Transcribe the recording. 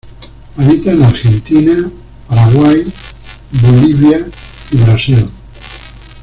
Habita en Argentina, Paraguay, Bolivia y Brasil.